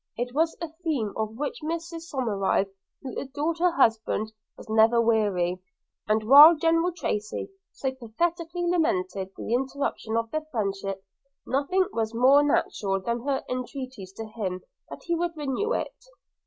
It was a theme of which Mrs Somerive, who adored her husband, was never weary, and while General Tracy so pathetically lamented the interruption of their friendship, nothing was more natural than her entreaties to him that he would renew it.